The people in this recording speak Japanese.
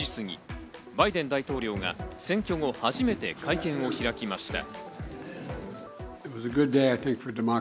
日本時間今朝６時すぎ、バイデン大統領が選挙後、初めて会見を開きました。